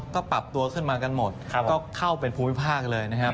ก็ปรับตัวขึ้นมากันหมดก็เข้าเป็นภูมิภาคเลยนะครับ